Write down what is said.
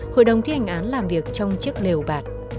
hội đồng thi hành án làm việc trong chiếc lều bạc